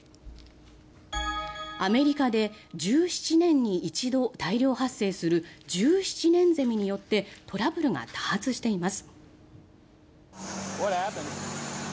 アメリカで１７年に一度、大量発生する１７年ゼミによってトラブルが多発しています。